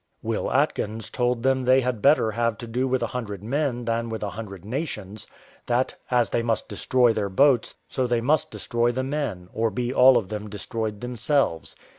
Will Atkins told them they had better have to do with a hundred men than with a hundred nations; that, as they must destroy their boats, so they must destroy the men, or be all of them destroyed themselves.